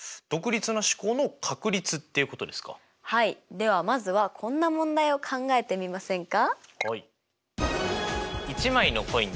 ではまずはこんな問題を考えてみませんか？